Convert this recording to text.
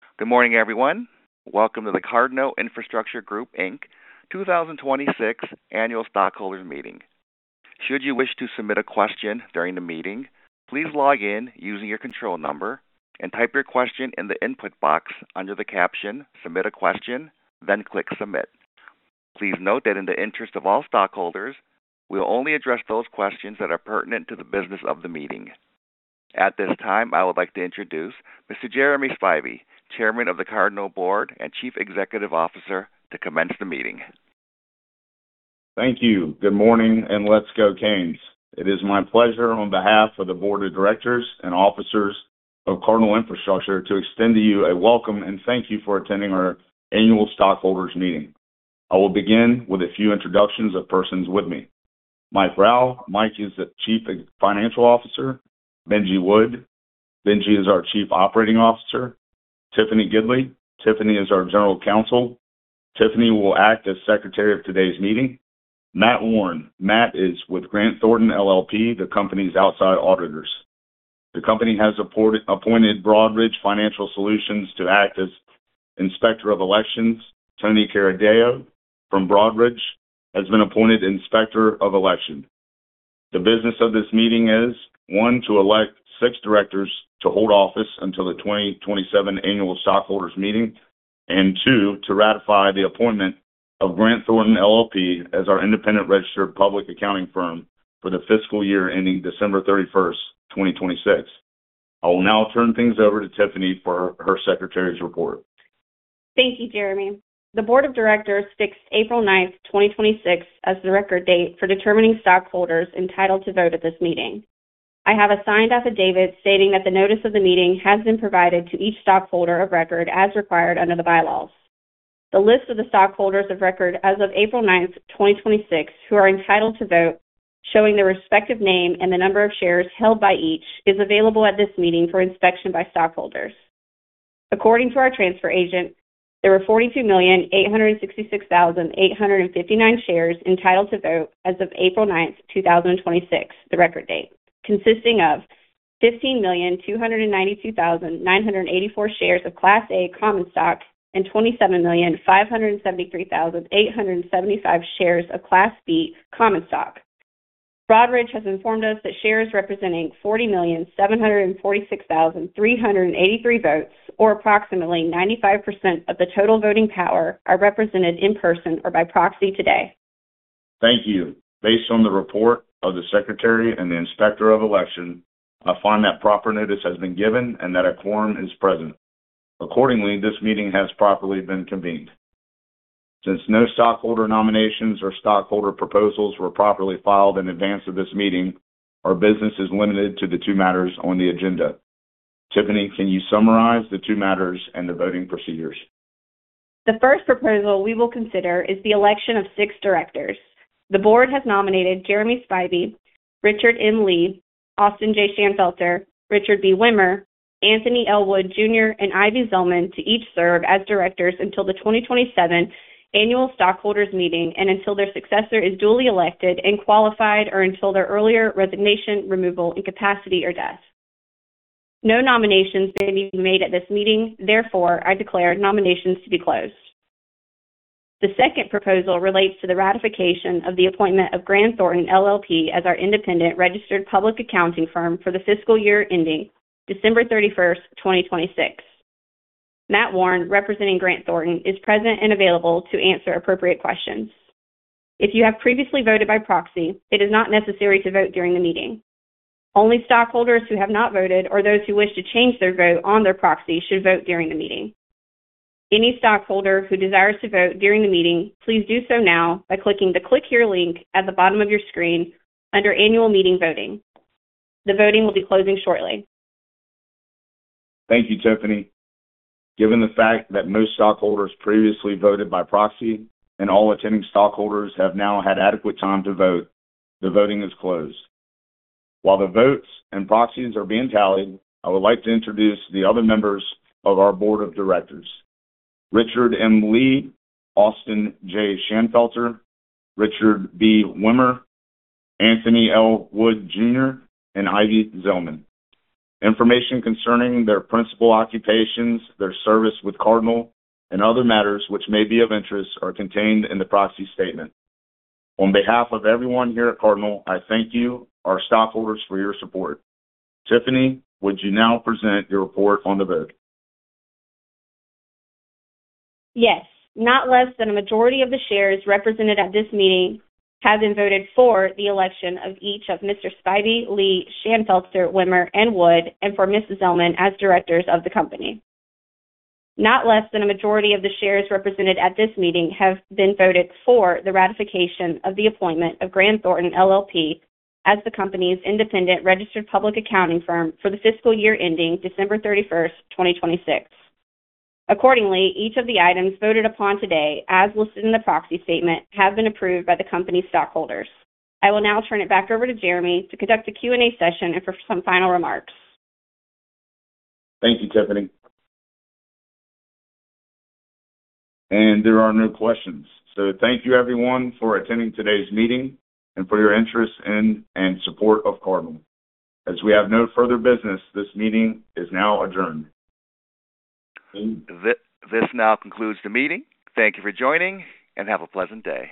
Good morning, everyone. Welcome to the Cardinal Infrastructure Group, Inc. 2026 Annual Stockholders Meeting. Should you wish to submit a question during the meeting, please log in using your control number and type your question in the input box under the caption, "Submit a Question," then click "Submit." Please note that in the interest of all stockholders, we'll only address those questions that are pertinent to the business of the meeting. At this time, I would like to introduce Mr. Jeremy Spivey, Chairman of the Cardinal Board and Chief Executive Officer, to commence the meeting. Thank you. Good morning, and let's go Canes. It is my pleasure, on behalf of the board of directors and officers of Cardinal Infrastructure, to extend to you a welcome and thank you for attending our Annual Stockholders Meeting. I will begin with a few introductions of persons with me. Mike Rowe. Mike is the Chief Financial Officer. Benji Wood. Benji is our Chief Operating Officer. Tiffany Gidley. Tiffany is our General Counsel. Tiffany will act as Secretary of today's meeting. Matt Warren. Matt is with Grant Thornton LLP, the company's outside auditors. The company has appointed Broadridge Financial Solutions to act as Inspector of Elections. Tony Carideo from Broadridge has been appointed Inspector of Election. The business of this meeting is, one, to elect six directors to hold office until the 2027 Annual Stockholders Meeting, and two, to ratify the appointment of Grant Thornton LLP as our independent registered public accounting firm for the fiscal year ending December 31st, 2026. I will now turn things over to Tiffany for her Secretary's report. Thank you, Jeremy. The Board of Directors fixed April 9th, 2026, as the record date for determining stockholders entitled to vote at this meeting. I have a signed affidavit stating that the notice of the meeting has been provided to each stockholder of record as required under the bylaws. The list of the stockholders of record as of April 9th, 2026, who are entitled to vote, showing their respective name and the number of shares held by each, is available at this meeting for inspection by stockholders. According to our transfer agent, there were 42,866,859 shares entitled to vote as of April 9th, 2026, the record date, consisting of 15,292,984 shares of Class A common stock and 27,573,875 shares of Class B common stock. Broadridge has informed us that shares representing 40,746,383 votes, or approximately 95% of the total voting power, are represented in person or by proxy today. Thank you. Based on the report of the Secretary and the Inspector of Election, I find that proper notice has been given and that a quorum is present. This meeting has properly been convened. Since no stockholder nominations or stockholder proposals were properly filed in advance of this meeting, our business is limited to the two matters on the agenda. Tiffany, can you summarize the two matters and the voting procedures? The first proposal we will consider is the election of six directors. The board has nominated Jeremy Spivey, Richard M. Lee, Austin J. Shanfelter, Richard B. Wimmer, Anthony L. Wood, Jr., and Ivy Zelman to each serve as directors until the 2027 Annual Stockholders Meeting and until their successor is duly elected and qualified or until their earlier resignation, removal, incapacity, or death. No nominations may be made at this meeting. Therefore, I declare nominations to be closed. The second proposal relates to the ratification of the appointment of Grant Thornton LLP as our independent registered public accounting firm for the fiscal year ending December 31st, 2026. Matt Warren, representing Grant Thornton, is present and available to answer appropriate questions. If you have previously voted by proxy, it is not necessary to vote during the meeting. Only stockholders who have not voted or those who wish to change their vote on their proxy should vote during the meeting. Any stockholder who desires to vote during the meeting, please do so now by clicking the Click Here link at the bottom of your screen under Annual Meeting Voting. The voting will be closing shortly. Thank you, Tiffany. Given the fact that most stockholders previously voted by proxy and all attending stockholders have now had adequate time to vote, the voting is closed. While the votes and proxies are being tallied, I would like to introduce the other members of our board of directors, Richard M. Lee, Austin J. Shanfelter, Richard B. Wimmer, Anthony L. Wood, Jr., and Ivy Zelman. Information concerning their principal occupations, their service with Cardinal, and other matters which may be of interest, are contained in the proxy statement. On behalf of everyone here at Cardinal, I thank you, our stockholders, for your support. Tiffany, would you now present your report on the vote? Yes. Not less than a majority of the shares represented at this meeting have been voted for the election of each of Mr. Spivey, Lee, Shanfelter, Wimmer, and Wood, and for Ms. Zelman as directors of the company. Not less than a majority of the shares represented at this meeting have been voted for the ratification of the appointment of Grant Thornton LLP as the company's independent registered public accounting firm for the fiscal year ending December 31st, 2026. Each of the items voted upon today, as listed in the proxy statement, have been approved by the company's stockholders. I will now turn it back over to Jeremy to conduct a Q&A session and for some final remarks. Thank you, Tiffany. There are no questions. Thank you, everyone, for attending today's meeting and for your interest in and support of Cardinal. As we have no further business, this meeting is now adjourned. This now concludes the meeting. Thank you for joining, and have a pleasant day.